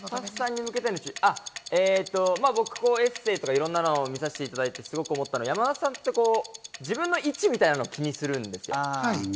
僕、エッセーとか、いろんなのを見させていただいて思ったのは、山里さんって自分の位置みたいなのを気にするんですよ。